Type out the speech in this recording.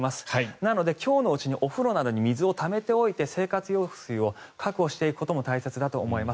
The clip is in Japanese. なので今日のうちにお風呂などに水をためておいて生活用水を確保していくことも大切だと思います。